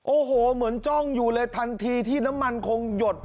โอ้โหเหมือนจ้องอยู่เลยทันทีที่น้ำมันคงหยด